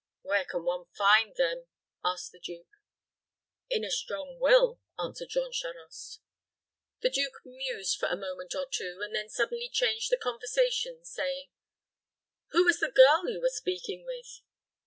"Where can one find them?" asked the duke. "In a strong will," answered Jean Charost. The duke mused for a moment or two, and then suddenly changed the conversation, saying, "Who was the girl you were speaking with?"